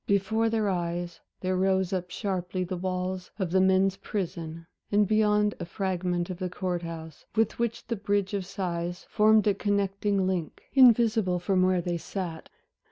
Before their eyes there rose up sharply the walls of the men's prison, and beyond a fragment of the Court house, with which the Bridge of Sighs formed a connecting link, invisible from where they sat.